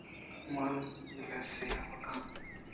من ءَ دلسْیاہ مہ کن